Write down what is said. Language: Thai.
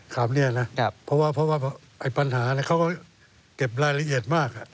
ขาวเนี่ยนะเพราะว่าไอ้ปัญหาเนี่ยเขาก็เก็บรายละเอียดมาก